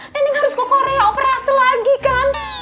nending harus ke korea operasi lagi kan